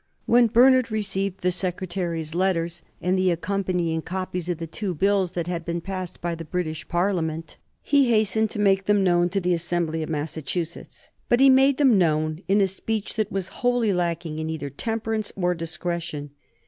When Bernard received the Secretary's letters and the accompanying copies of the two Bills that had been passed by the British Parliament, he hastened to make them known to the Assembly of Massachusetts. But he made them known in a speech that was wholly lacking in either temperance or discretion.